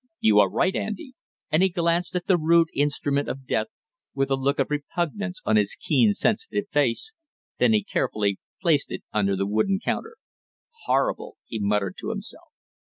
"You are right, Andy!" and he glanced at the rude instrument of death with a look of repugnance on his keen sensitive face, then he carefully, placed it under the wooden counter. "Horrible!" he muttered to himself.